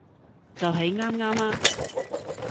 就喺啱啱啊